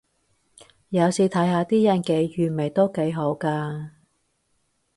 有時睇下啲人幾愚昧都幾好咖